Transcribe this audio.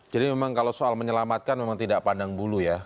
jadi memang kalau soal menyelamatkan memang tidak pandang bulu ya